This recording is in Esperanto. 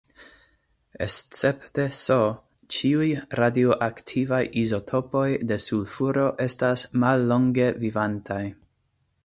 Escepte S, ĉiuj radioaktivaj izotopoj de sulfuro estas mallonge vivantaj.